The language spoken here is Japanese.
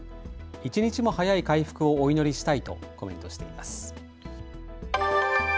一日も早い回復をお祈りしたいとコメントしています。